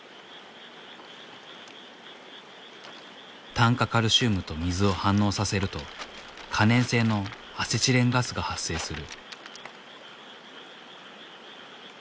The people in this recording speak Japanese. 炭化カルシウムと水を反応させると可燃性のアセチレンガスが発生する。